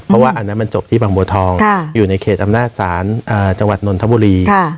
เพราะว่าอันนั้นมันจบที่บางบัวทองอยู่ในเขตอำนาจศาลจังหวัดนนทบุรี